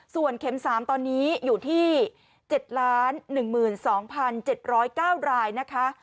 ส่วนเข็ม๓ตอนนี้อยู่ที่๗๑๒๗๐๙รายนะคะ